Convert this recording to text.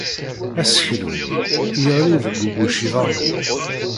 Aseklu-nni yeɣli deg ubuciḍan-nni.